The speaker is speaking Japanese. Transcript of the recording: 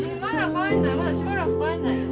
まだしばらく帰んないよ。